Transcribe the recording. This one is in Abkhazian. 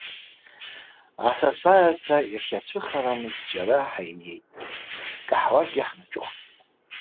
Асасааирҭа иахьацәыхарамыз џьара ҳаиниеит, каҳуакгьы ҳнаҿыхәеит.